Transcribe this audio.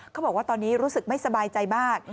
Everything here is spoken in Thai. เขาบอกว่าตอนนี้รู้สึกไม่สบายใจมาก